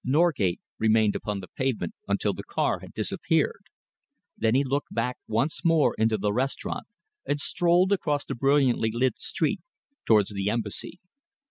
Norgate remained upon the pavement until the car had disappeared. Then he looked back once more into the restaurant and strolled across the brilliantly lit street towards the Embassy.